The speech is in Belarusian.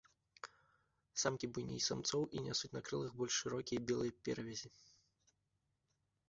Самкі буйней самцоў і нясуць на крылах больш шырокія белыя перавязі.